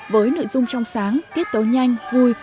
với nội dung trong sáng tiết tấu nhanh vui